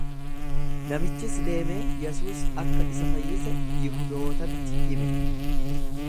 Namichis deemee Yesuus akka isa fayyise Yihudootatti hime.